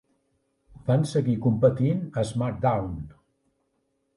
Van seguir competint a SmackDown!